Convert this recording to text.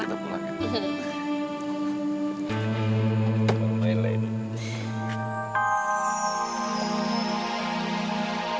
dia bisa escola di mana rakan